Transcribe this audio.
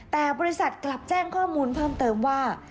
แต่บริษัทกลับแจ้งข้อมูลเพิ่มเติมว่า